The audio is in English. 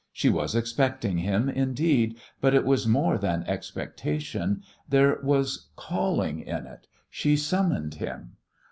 She was expecting him, indeed, but it was more than expectation; there was calling in it she summoned him.